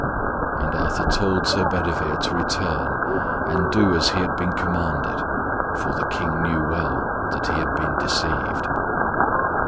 And Arthur told Sir Bedivere to return and do as he had been commanded, for the King knew well that he had been deceived.